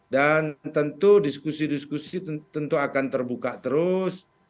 dan tentu diskusi diskusi tentu akan terbuka terus